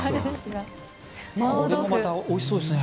これまたおいしそうですね。